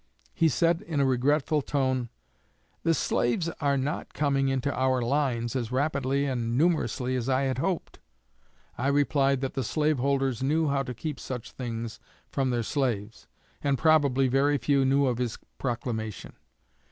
He said, in a regretful tone, 'The slaves are not coming into our lines as rapidly and numerously as I had hoped.' I replied that the slaveholders knew how to keep such things from their slaves, and probably very few knew of his proclamation.